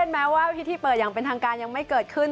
แม้ว่าพิธีเปิดอย่างเป็นทางการยังไม่เกิดขึ้น